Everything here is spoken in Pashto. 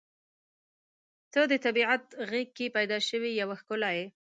• ته د طبیعت غېږ کې پیدا شوې یوه ښکلا یې.